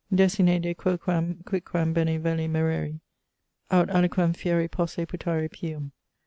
Desine de quoquam quicquam bene velle mereri, Aut aliquem fieri posse putare pium.